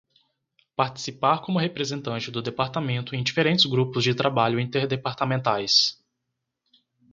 Participar como representante do Departamento em diferentes grupos de trabalho interdepartamentais.